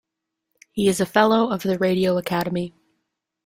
He is a Fellow of The Radio Academy.